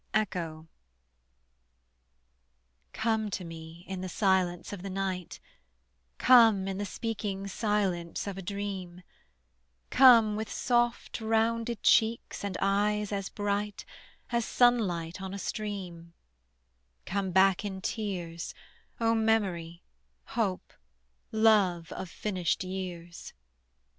ECHO. Come to me in the silence of the night; Come in the speaking silence of a dream; Come with soft rounded cheeks and eyes as bright As sunlight on a stream; Come back in tears, O memory, hope, love of finished years.